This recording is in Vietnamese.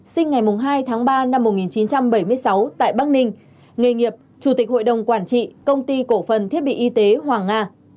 sinh ngày hai tháng ba năm một nghìn chín trăm bảy mươi sáu tại bắc ninh nghề nghiệp chủ tịch hội đồng quản trị công ty cổ phần thiết bị y tế hoàng nga